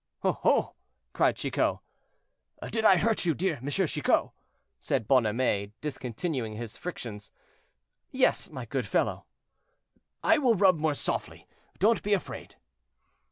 "Oh, oh!" cried Chicot. "Did I hurt you, dear Monsieur Chicot?" said Bonhomet, discontinuing his frictions. "Yes, my good fellow." "I will rub more softly; don't be afraid."